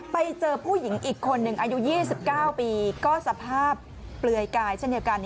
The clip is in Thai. ไปเจอผู้หญิงอีกคนหนึ่งอายุ๒๙ปีก็สภาพเปลือยกายเช่นเดียวกัน